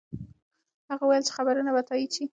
هغه وویل چې خبرونه به تایید شي.